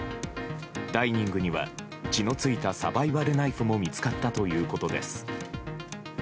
ダイニングには血の付いたサバイバルナイフも見つかったということです。